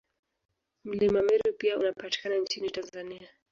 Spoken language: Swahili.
Mlima Meru pia unapatikana nchini Tanzania